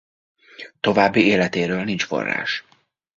További életéről nincs forrás.